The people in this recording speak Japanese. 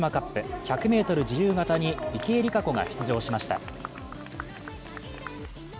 １００ｍ自由形に池江璃花子が出場しました。